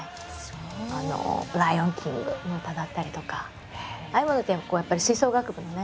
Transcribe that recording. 「ライオン・キング」の歌だったりとかああいうものって吹奏楽部のね